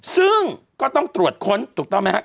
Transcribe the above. ซึ่งก็ต้องตรวจค้นถูกต้องไหมครับ